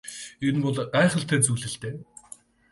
Энэ бол гайхалтай зүйл л дээ.